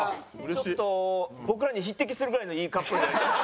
ちょっと僕らに匹敵するぐらいのいいカップルになりました。